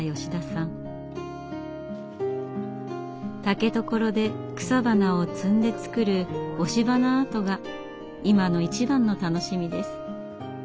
竹所で草花を摘んで作る押し花アートが今の一番の楽しみです。